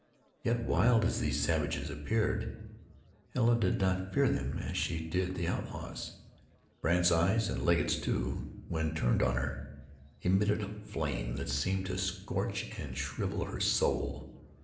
Yet wild as these savages appeared, Helen did not fear them as she did the outlaws. Brandt's eyes, and Legget's, too, when turned on her, emitted a flame that seemed to scorch and shrivel her soul.